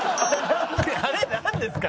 あれなんですか？